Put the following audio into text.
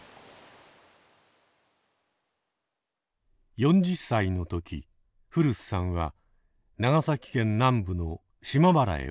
４０歳の時古巣さんは長崎県南部の島原へ赴いた。